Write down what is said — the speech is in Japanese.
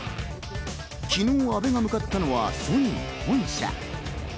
昨日、阿部が向かったのは、ソニー本社。